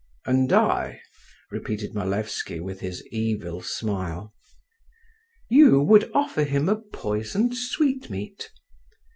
…" "And I?" repeated Malevsky with his evil smile…. "You would offer him a poisoned sweetmeat."